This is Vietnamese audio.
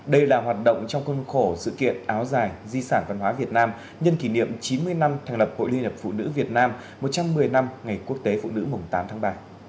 đây là hoạt động trong khuôn khổ sự kiện áo dài di sản văn hóa việt nam nhân kỷ niệm chín mươi năm thành lập hội liên hiệp phụ nữ việt nam một trăm một mươi năm ngày quốc tế phụ nữ mùng tám tháng ba